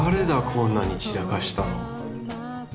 こんなに散らかしたの。